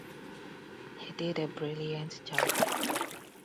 He did a brilliant job.